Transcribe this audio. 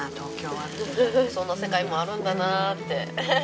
そんな世界もあるんだなって。